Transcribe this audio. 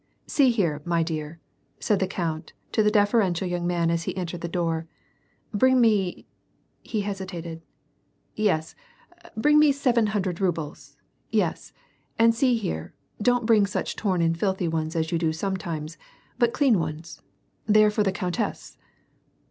" See here, my dear," said the count to the deferential young man as he entered the door ;" bring me," — he hesitated, — "yes, bring me seven hundred rubles, yes. And see here, don't bring such torn and filthy ones as you do sometimes, but clean ones : they are for the countess."